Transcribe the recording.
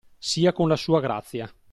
Sia con la sua grazia.